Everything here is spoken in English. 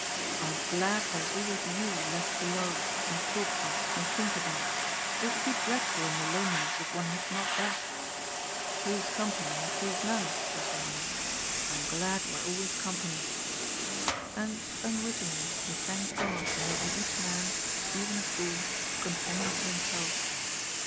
I am glad there is always you left to love, and talk to, and think aboui It would be dreadful in the loneliness, if one had not that. ^ Two's company, and three's none,' " says Johanna. " I am glad we're always company." And unwittingly he thanked God for making each man — even a fool — companion to himself.